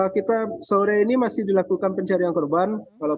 kita sore ini masih dilakukan pencarian korban